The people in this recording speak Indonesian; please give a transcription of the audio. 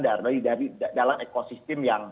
dari dalam ekosistem